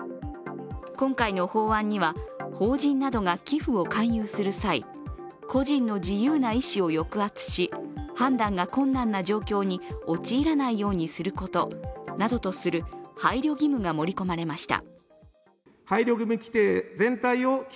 今回の法案には、法人などが寄付を勧誘する際、個人の自由な意思を抑圧し判断が困難な状況に陥らないようにすることなどとする配慮義務が盛り込まれました。